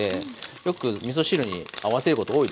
よくみそ汁に合わせること多いですね。